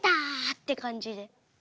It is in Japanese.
って感じで。